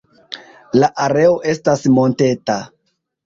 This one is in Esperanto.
La areo estas monteta.